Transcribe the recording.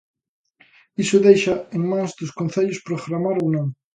Iso deixa en mans dos concellos programar ou non.